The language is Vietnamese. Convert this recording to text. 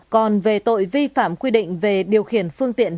còn về tội vi phạm quy định về điều khiển phương tiện